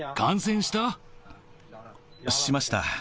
しました。